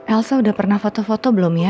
elsa sudah pernah foto foto belum ya